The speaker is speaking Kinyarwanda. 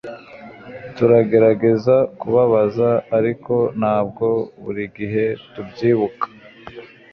turagerageza kubabaza, ariko ntabwo buri gihe tubyibuka